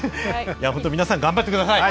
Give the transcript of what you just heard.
いや本当皆さん頑張って下さい！